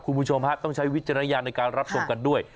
คุณผู้ชมฮะต้องใช้วิจารณญาณในการรับชมกันด้วย